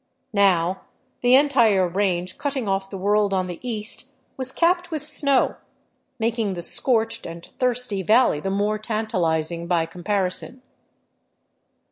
Now the entire range cutting off the world on the east was capped with snow, making the scorched and thirsty valley the more tantalizing by comparison.